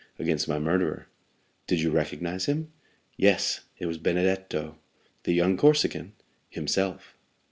"Against my murderer." "Did you recognize him?" "Yes; it was Benedetto." "The young Corsican?" "Himself."